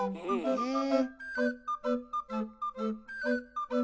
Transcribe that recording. へえ。